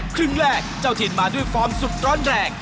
ครึ่งแรกเจ้าถิ่นมาด้วยฟอร์มสุดร้อนแรง